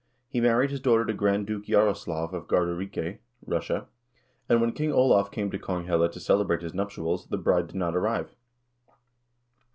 He married his daughter to Grand Duke Jaroslaf of Gardarike (Russia), and when King Olav came to Konghelle to celebrate his nuptials, the bride did not arrive.